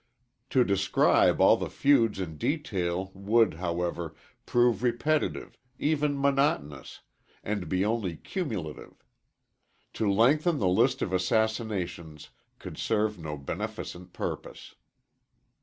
To describe all the feuds in detail would, however, prove repetitive, even monotonous, and be only cumulative. To lengthen the list of assassinations could serve no beneficent purpose.